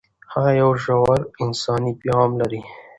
هغه یو ژور انساني پیغام لري.